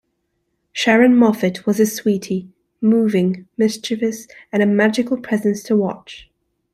Sharyn Moffett was a sweetie; moving, mischievous and a magical presence to watch.